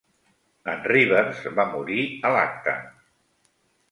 En Rivers va morir a l'acte.